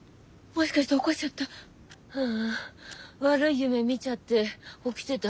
ううん悪い夢みちゃって起きてた。